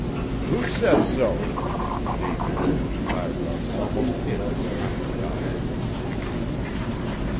"Who says so?" Davy's bushy eyebrows almost hid his kindly eyes.